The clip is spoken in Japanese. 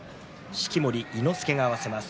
式守伊之助が合わせます。